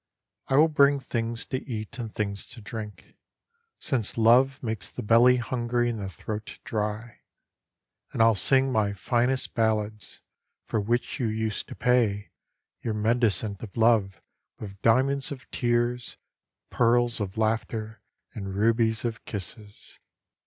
I will bring things to eat and things to drink ; Since love makes the belly hungry and the throat dry. And ril sing my finest ballads, for which you used to pay Your mendicant of love with diamonds of tears, pearls of laughter and rubies of kisses.